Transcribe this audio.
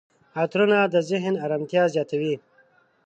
عطرونه د ذهن آرامتیا زیاتوي.